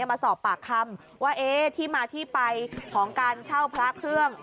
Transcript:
มาสอบปากคำว่าที่มาที่ไปของการเช่าพระเครื่อง